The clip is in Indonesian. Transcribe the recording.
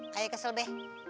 kayak kesel be